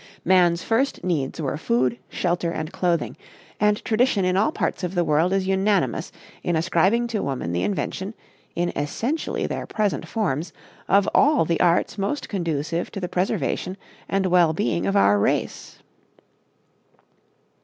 Man's first needs were food, shelter and clothing; and tradition in all parts of the world is unanimous in ascribing to woman the invention, in essentially their present forms, of all the arts most conducive to the preservation and well being of our race.